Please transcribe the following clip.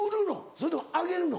それともあげるの？